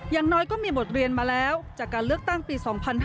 อย่างน้อยก็มีบทเรียนมาแล้วจากการเลือกตั้งปี๒๕๕๙